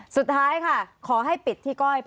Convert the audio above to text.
สุดท้ายค่ะขอให้ปิดที่ก้อย